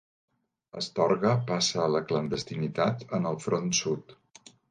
Astorga passa a la clandestinitat en el Front Sud.